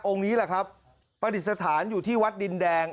องค์นี้แหละครับปฏิสถานอยู่ที่วัดดินแดง